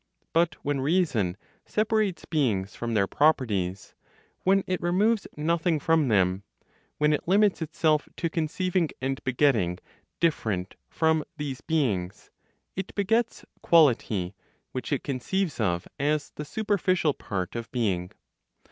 But when reason separates beings from their properties, when it removes nothing from them, when it limits itself to conceiving and begetting different from these beings, it begets quality, which it conceives of as the superficial part of being.